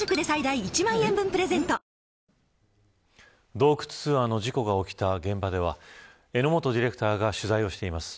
洞窟ツアーの事故が起きた現場では榎本ディレクターが取材をしています。